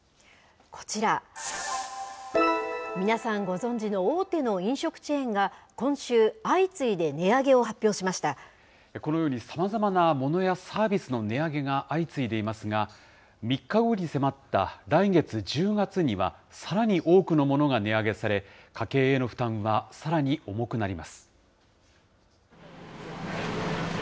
こちら、皆さんご存じの大手の飲食チェーンが、今週、このように、さまざまなモノやサービスの値上げが相次いでいますが、３日後に迫った来月・１０月にはさらに多くのものが値上げされ、家計への負担はさらに重くなります。